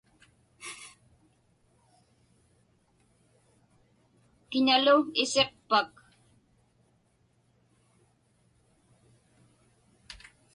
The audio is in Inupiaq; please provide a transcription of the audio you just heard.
Kiñalu isiqpak?